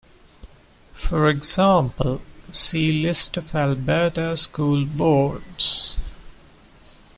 For example, see List of Alberta school boards.